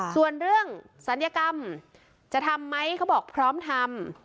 ส่วนเรื่องศัลยกรรมจะทำไหมเขาบอกพร้อมทำ